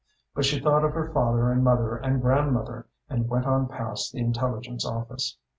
But she thought of her father and mother and grandmother, and went on past the intelligence office.